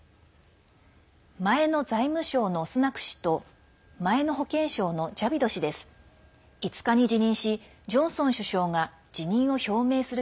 前の財務相のスナク氏と前の保健相のジャビド氏です。